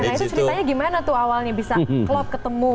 nah itu ceritanya gimana tuh awalnya bisa klop ketemu